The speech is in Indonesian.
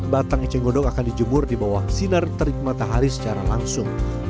batang eceng gondok akan dijemur di bawah sinar terik matahari secara langsung